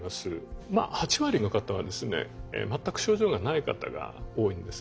まあ８割の方はですね全く症状がない方が多いんですね。